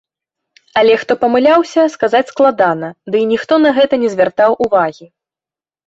Але хто памыляўся, сказаць складана, дый ніхто на гэта не звяртаў увагі.